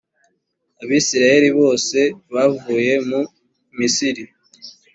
abisirayeli bose bavuye mu misiri